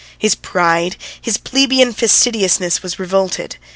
His pride, his plebeian fastidiousness, was revolted.